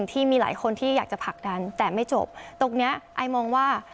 ที่มีหลายคนที่อยากจะผลักดันแต่ไม่จบตรงเนี้ยไอมองว่า